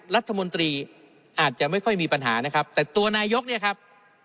รัฐมนตรีอาจจะไม่ค่อยมีปัญหานะครับแต่ตัวนายกเนี่ยครับ